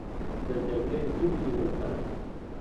د جګړې زړي یې وکرل